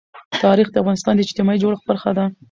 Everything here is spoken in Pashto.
تاریخ د افغانستان د اجتماعي جوړښت برخه ده.